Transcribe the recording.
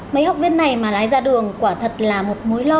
mấy học viên này mà lái ra đường quả thật là một mối lo